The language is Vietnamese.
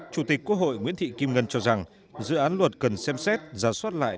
chủ tịch quốc hội nguyễn thị kim ngân cho rằng dự án luật cần xem xét ra soát lại